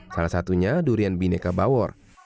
salah satunya durian bineka bawor